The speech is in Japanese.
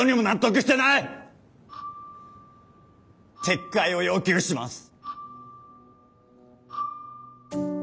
撤回を要求します！